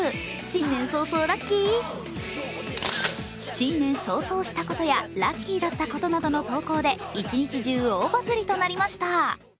新年早々したことやラッキーだったことの投稿で一日中大バズりとなりました。